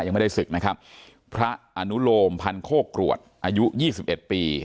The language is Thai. ยังไม่ได้ศึกนะครับพระอนุโลมพันโคกรวดอายุยี่สิบเอ็ดปี